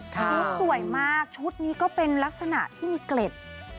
ชุดสวยมากชุดนี้ก็เป็นลักษณะที่มีเกล็ด